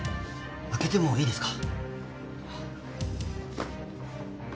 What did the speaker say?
開けてもいいですか？